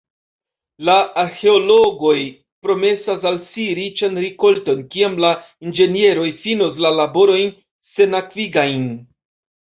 La arĥeologoj promesas al si riĉan rikolton, kiam la inĝenieroj finos la laborojn senakvigajn.